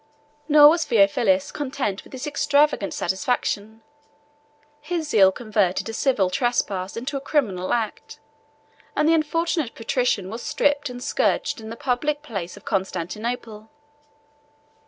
Nor was Theophilus content with this extravagant satisfaction: his zeal converted a civil trespass into a criminal act; and the unfortunate patrician was stripped and scourged in the public place of Constantinople.